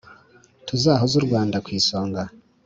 tuzahoze u rwanda ku isonga